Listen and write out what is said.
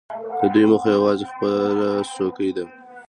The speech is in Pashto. د دوی موخه یوازې خپله څوکۍ ده.